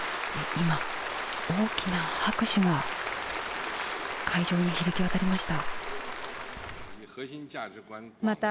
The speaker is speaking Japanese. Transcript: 今、大きな拍手が会場に響き渡りました。